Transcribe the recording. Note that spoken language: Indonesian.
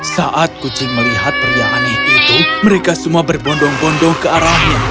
saat kucing melihat pria aneh itu mereka semua berbondong bondong ke arahnya